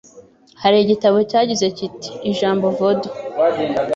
Hari igitabo cyagize kiti “ijambo vodu,